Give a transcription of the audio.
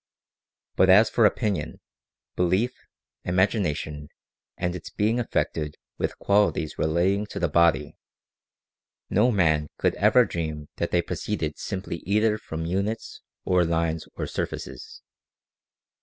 But as for opinion, belief, imagina tion, and its being affected with qualities relating to the body, no man could ever dream that they proceeded simply either from units, or lines, or surfaces.